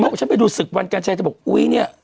โมส์ฉันไปดูศึกวันกันฉันจะบอกอุ๊ยเนี่ย